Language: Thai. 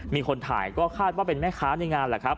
มีคนถ่ายก็คาดว่าเป็นแม่ค้าในงานแหละครับ